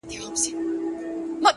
پر ورکه لار ملګري سول روان څه به کوو؟!!